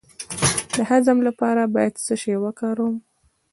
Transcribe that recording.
د هضم لپاره باید څه شی وکاروم؟